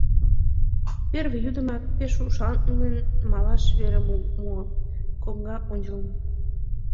Первый йӱдымак пеш ушанлын малаш верым муо: коҥга ончылно.